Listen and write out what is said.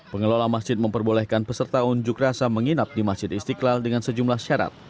pengelola masjid memperbolehkan peserta unjuk rasa menginap di masjid istiqlal dengan sejumlah syarat